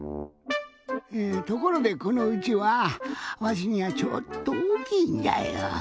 えところでこのうちわわしにはちょっとおおきいんじゃよ。